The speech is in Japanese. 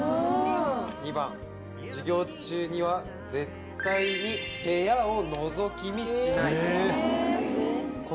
２番「授業中は絶対に部屋をのぞき見しない」。